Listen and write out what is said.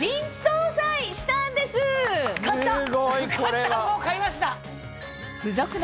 買ったもう買いました。